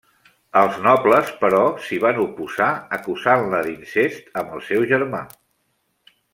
Els nobles però, s'hi van oposar acusant-la d'incest amb el seu germà.